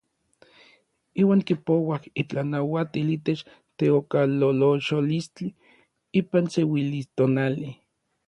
Iuan kipouaj itlanauatil itech teokalolocholistli ipan seuilistonali.